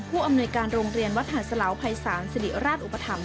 ผู้อำนวยการโรงเรียนวัดหันศาลภัยศาลศิริราชอุปธรรม